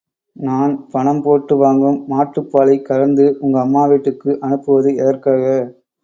நான் பணம் போட்டு வாங்கும் மாட்டுப் பாலைக் கறந்து உங்க அம்மா வீட்டுக்கு அனுப்புவது எதற்காக?